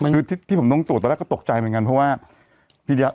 คือที่ผมตรวจตอนแรกก็ตกใจเหมือนกันเพราะว่า